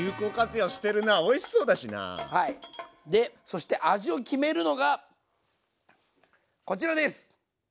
そして味を決めるのがこちらです！